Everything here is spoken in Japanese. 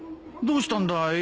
どうしたんだい？